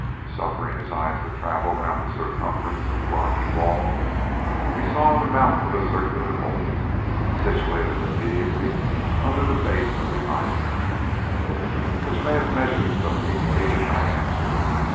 Suffering his eyes to travel round the circumference of the rocky wall, he saw the mouth of a circular hole, situated immediately under the base of the idol, which may have measured some eight feet in diameter.